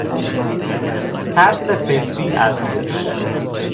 ترس فطری از موش